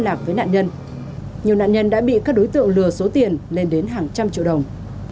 lạc với nạn nhân nhiều nạn nhân đã bị các đối tượng lừa số tiền lên đến hàng trăm triệu đồng